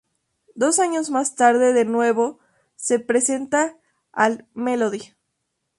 Dos años más tarde de nuevo se presenta al Melodi.